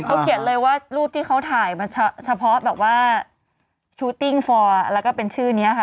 เขาเขียนเลยว่ารูปที่เขาถ่ายมาเฉพาะแบบว่าชูติ้งฟอร์แล้วก็เป็นชื่อนี้ค่ะ